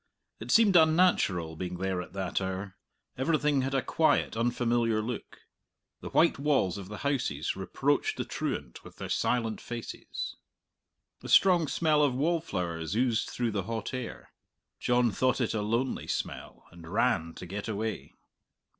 It seemed unnatural being there at that hour; everything had a quiet, unfamiliar look. The white walls of the houses reproached the truant with their silent faces. A strong smell of wallflowers oozed through the hot air. John thought it a lonely smell, and ran to get away.